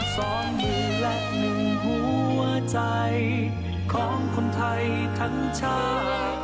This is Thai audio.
สองมือและหนึ่งหัวใจของคนไทยทั้งชาติ